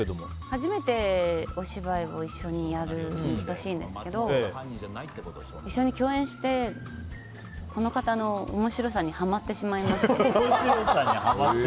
初めてお芝居を一緒にやるんですけど一緒に共演してこの方の面白さにはまってしまいまして。